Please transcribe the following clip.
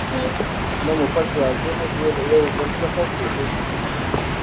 نه مو پټ رازونه بې له یو بل څخه ښودلي.